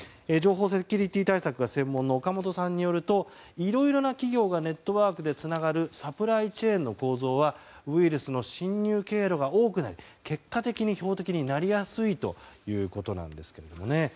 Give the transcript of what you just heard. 情報セキュリティー対策が専門の岡本さんによるといろいろな企業がネットワークでつながるサプライチェーンの構造はウイルスの侵入経路が多くなり結果的に表的になりやすいということなんですけどね。